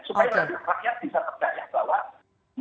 supaya rakyat rakyat bisa tercayakan bahwa